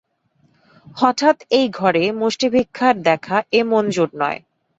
হঠাৎ এই ঘরে মুষ্টিভিক্ষার দেখা–এ মঞ্জুর নয়।